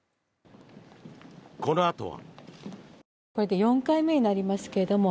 このあとは。